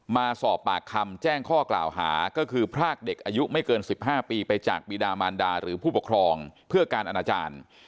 มาสอบปากคำแจ้งข้อกล่าวหาก็คือพรากเด็กอายุไม่เกิน๑๕ปีไปจากบีดามานดาหรือผู้ปกครองเพื่อการอนาจารย์